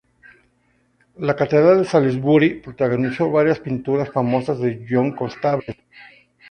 La catedral de Salisbury protagonizó varias pinturas famosas de John Constable.